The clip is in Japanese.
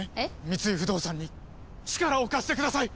三井不動産に力を貸してください！